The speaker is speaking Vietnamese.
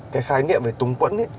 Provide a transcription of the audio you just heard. cái khái nghiệm về túng quẫn ý